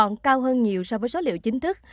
nhiều so với số liệu chính thức